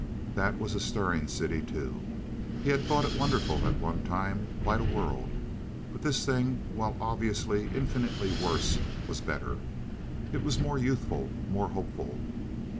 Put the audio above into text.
That was a stirring city, too. He had thought it wonderful at one time, quite a world; but this thing, while obviously infinitely worse, was better. It was more youthful, more hopeful.